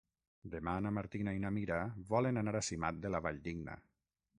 Demà na Martina i na Mira volen anar a Simat de la Valldigna.